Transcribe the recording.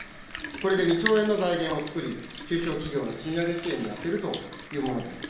これで２兆円の財源を作り、中小企業の賃上げ支援に充てるというものです。